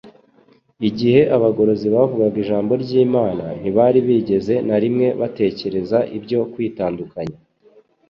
Igihe abagorozi bavugaga Ijambo ry'Imana ntibari bigeze na rimwe batekereza ibyo kwitandukanya